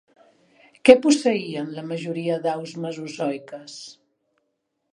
Què posseïen la majoria d'aus mesozoiques?